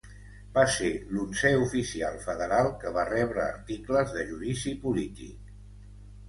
Va ser l'onzè oficial federal que va rebre articles de judici polític.